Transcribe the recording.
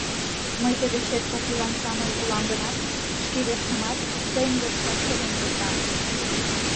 Мый тый дечет кок ийлан самырык улам гынат, шке верчемат, тыйын верчат шоген кертам.